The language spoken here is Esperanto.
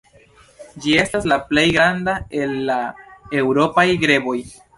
Ĝi estas la plej granda el la eŭropaj greboj.